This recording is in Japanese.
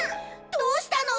どうしたの？